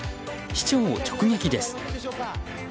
市長を直撃です。